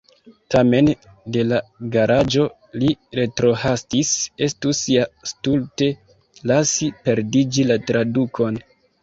Tamen de la garaĝo li retrohastis, estus ja stulte lasi perdiĝi la tradukon.